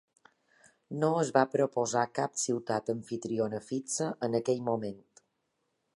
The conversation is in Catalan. No es va proposar cap ciutat amfitriona fixa en aquell moment.